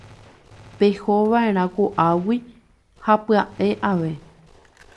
Pehóva'erã ko'águi ha pya'e ave.